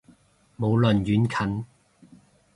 無論遠近